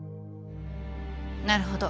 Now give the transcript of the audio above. なるほど。